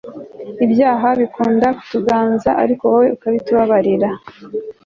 ibyaha bikunda kutuganza, ariko wowe ukabitubabarira